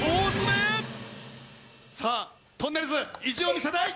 さあとんねるず意地を見せたい！